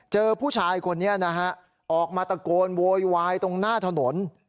เจอผู้ชายคนนี้นะฮะออกมาตะโกนโวยวายตรงหน้าถนน